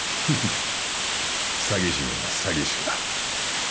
フフフ詐欺師には詐欺師か